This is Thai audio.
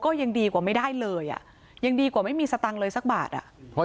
ยังดีกว่าไม่ได้เลยอ่ะยังดีกว่าไม่มีสตังค์เลยสักบาทอ่ะ